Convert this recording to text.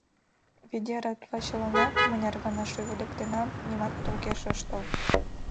Ведера тулачыланат мыняр гана шӱведыктенам, нимат толкеш ыш тол.